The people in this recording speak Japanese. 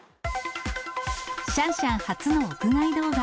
シャンシャン初の屋外動画。